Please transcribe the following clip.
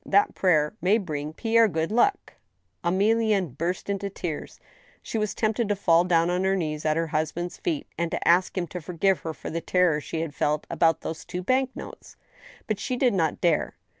That prayer may bring Pierre good luck." Emilienne burst into tears. She was tempted to fall down on her knees at her husband s feet, and to ask him to forgive her for the terror she had felt about those two bank notes. But she did not dare.